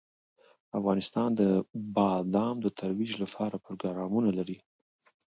افغانستان د بادام د ترویج لپاره پروګرامونه لري.